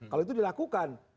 kalau itu dilakukan